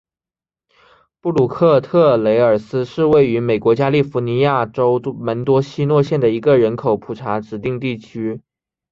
布鲁克特雷尔斯是位于美国加利福尼亚州门多西诺县的一个人口普查指定地区。